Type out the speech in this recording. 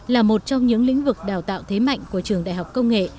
là một trong những lĩnh vực đào tạo thế mạnh của trường đại học công nghệ